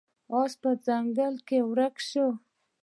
اس په ځنګل کې ورک شو.